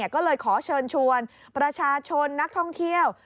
ก็เลยขอเชิญชวนประชาชนนักท่องเที่ยว